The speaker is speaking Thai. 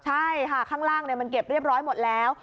ใช่ค่ะข้างล่างมันเก็บเรียบร้อยหมดแล้ว